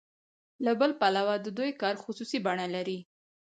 له بل پلوه د دوی کار خصوصي بڼه لري